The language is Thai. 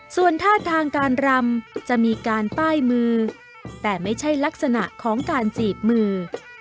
ส่วนท่าทางการรำจะมีการป้ายมือแต่ไม่ใช่ลักษณะของการจีบมือ